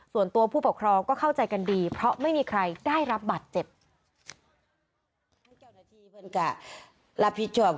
ส่วนตัวผู้ปกครองก็เข้าใจกันดีเพราะไม่มีใครได้รับบาดเจ็บ